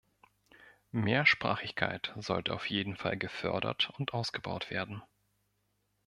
Mehrsprachigkeit sollte auf jeden Fall gefördert und ausgebaut werden.